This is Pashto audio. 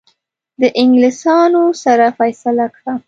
د انګلیسانو سره فیصله کړه.